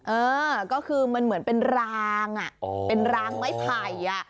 เออก็คือมันเหมือนเป็นรางเป็นรางไม้ไผ่